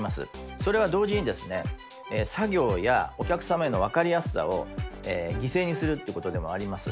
それは同時に、作業やお客様への分かりやすさを犠牲にするっていうことでもあります。